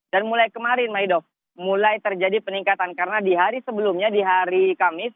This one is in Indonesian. dan mulai kemarin maedof mulai terjadi peningkatan karena di hari sebelumnya di hari kamis